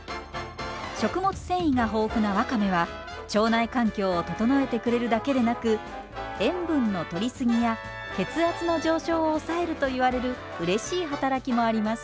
食物繊維が豊富なわかめは腸内環境を整えてくれるだけでなく塩分のとり過ぎや血圧の上昇を抑えるといわれるうれしい働きもあります。